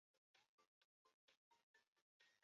但随即因私开官仓被青州府弹劾。